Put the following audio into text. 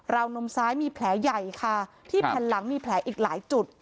วนมซ้ายมีแผลใหญ่ค่ะที่แผ่นหลังมีแผลอีกหลายจุด